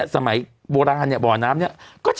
สวัสดีครับคุณผู้ชม